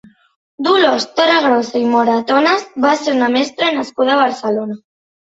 Dolors Torregrossa i Moratones va ser una mestra nascuda a Barcelona.